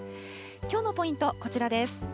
きょうのポイント、こちらです。